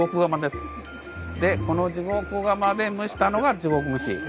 でこの地獄釜で蒸したのが地獄蒸し。